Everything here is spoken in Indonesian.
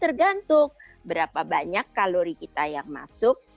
tergantung berapa banyak kalori kita yang masuk